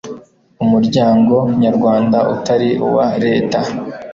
umuryango nyarwanda utari uwa leta